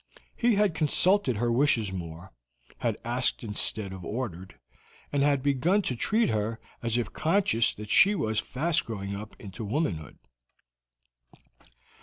He had consulted her wishes more, had asked instead of ordered, and had begun to treat her as if conscious that she was fast growing up into womanhood.